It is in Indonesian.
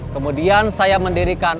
kemudian saya mendirikan